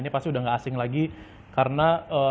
ini pasti sudah nggak asing lagi karena